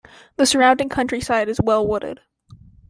The surrounding countryside is well-wooded.